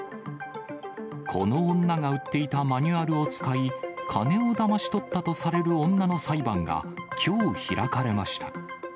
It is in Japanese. この女が売っていたマニュアルを使い、金をだまし取ったとされる女の裁判が、きょう開かれました。